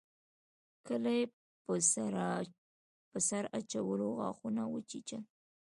ګلي په سر اچولو غاښونه وچيچل.